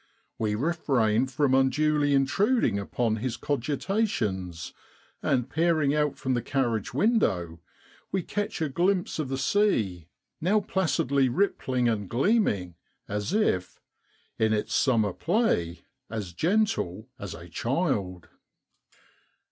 We refrain from unduly intruding upon his cogitations, and peering out from the carriage window we catch a glimpse of the sea, now placidly rippling and gleaming as if ' in its summer play As gentle as a child.'